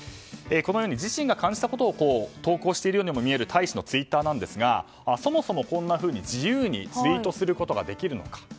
このように自身が感じたことを投稿しているように見える大使のツイッターなんですがそもそも、こんなふうに自由にツイートすることができるのか。